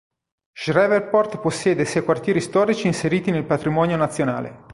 Shreveport possiede sei quartieri storici inseriti nel patrimonio nazionale.